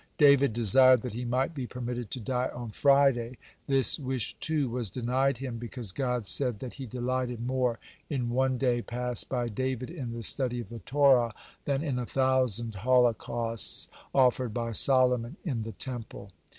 David desired that he might be permitted to die on Friday. This wish, too, was denied him, because God said that He delighted more in one day passed by David in the study of the Torah, than in a thousand holocausts offered by Solomon in the Temple.